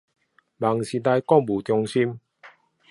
夢時代購物中心